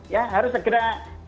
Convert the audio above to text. ya harus segera